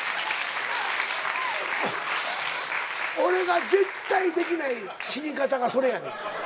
俺が絶対できない死に方がそれやねん。